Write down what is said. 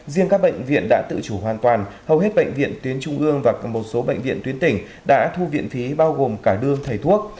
riêng các bệnh viện đã tự chủ hoàn toàn hầu hết bệnh viện tuyến trung ương và một số bệnh viện tuyến tỉnh đã thu viện phí bao gồm cả đương thầy thuốc